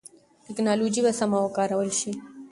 ټکنالوژي به سمه وکارول شي.